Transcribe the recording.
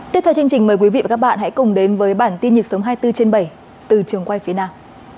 tiếp theo chương trình mời quý vị và các bạn hãy cùng đến với bản tin nhịp sống hai mươi bốn trên bảy từ trường quay phía nam